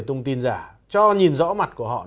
thông tin giả cho nhìn rõ mặt của họ